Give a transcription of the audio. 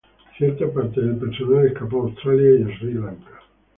Cierta parte del personal escapó a Australia y Sri Lanka.